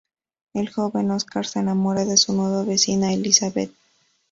El joven Oscar se enamora de su nueva vecina, Elizabeth.